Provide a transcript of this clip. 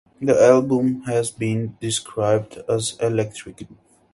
The album has been described as "eclectic".